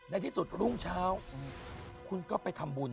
ในที่สุดรุ่งเช้าคุณก็ไปทำบุญ